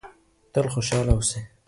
تل خوشحاله اوسئ.